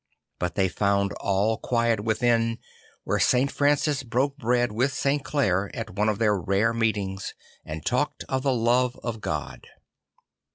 But they found all quiet within, where St. Francis broke bread with St. Clare at one of their rare meetings, and talked of the love of God.